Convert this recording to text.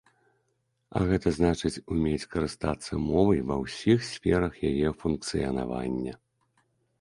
А гэта значыць, умець карыстацца мовай ва ўсіх сферах яе функцыянавання.